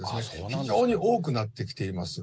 非常に多くなってきています。